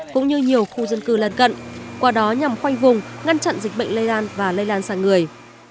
cũng như nhiều khu dân cư lân cận qua đó nhằm khoanh vùng ngăn chặn dịch bệnh lây lan và lây lan sang người